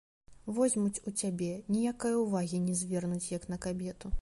Возьмуць у цябе, ніякае ўвагі не звернуць як на кабету.